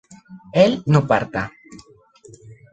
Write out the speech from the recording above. él no parta